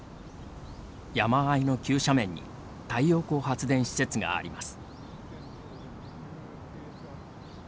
山間の急斜面に太陽光発電施設があります。